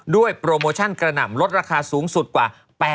โปรโมชั่นกระหน่ำลดราคาสูงสุดกว่า